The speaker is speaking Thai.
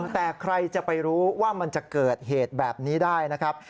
แต่ใครจะไปรู้ว่ามันจะเกิดเหตุแบบนี้ได้นะครับ